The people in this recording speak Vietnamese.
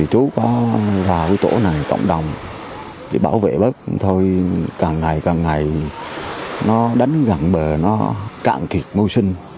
chú có vào tổ này tổng đồng để bảo vệ bất thôi càng ngày càng ngày nó đánh gắn bờ nó cạn kịp môi sinh